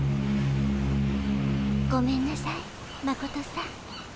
ごめんなさいマコトさん。